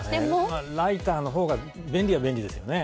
ライターのほうが便利は便利ですよね。